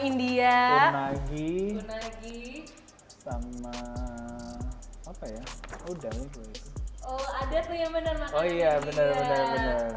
india lagi lagi sama apa ya udah ada tuh yang benar benar makanan iya bener bener